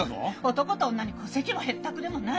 男と女に戸籍もへったくれもない！